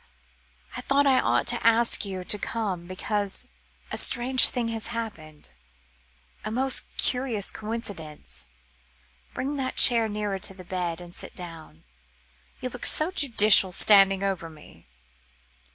I thought I ought to ask you to come, because a strange thing has happened a most curious coincidence. Bring that chair nearer to the bed, and sit down. You look so judicial standing over me."